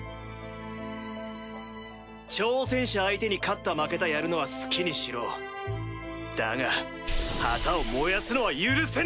挑戦者相手に勝った負けたやるのは好きにしろだが旗を燃やすのは許せねえ！